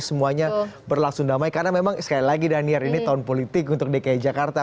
semuanya berlaksudamai karena memang sekali lagi danyar ini tahun politik untuk dki jakarta